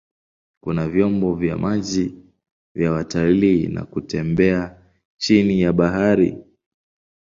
Kuna vyombo vya maji vya watalii na kutembea chini ya bahari.